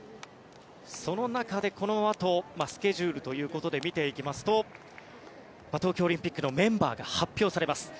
その中でこのあとスケジュールということで見ていきますと東京オリンピックのメンバーが発表されます。